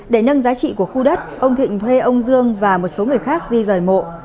để nâng giá trị của khu đất ông thịnh thuê ông dương và một số người khác di rời mộ